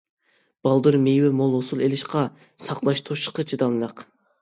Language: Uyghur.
بالدۇر مېۋە مول ھوسۇل ئېلىشقا، ساقلاش، توشۇشقا چىداملىق.